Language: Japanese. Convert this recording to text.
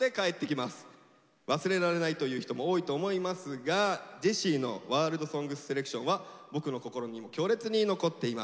忘れられないという人も多いと思いますがジェシーの「ＷｏｒｌｄＳｏｎｇｓＳｅｌｅｃｔｉｏｎ」は僕の心にも強烈に残っています。